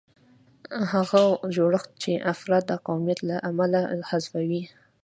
هغه جوړښت چې افراد د قومیت له امله حذفوي.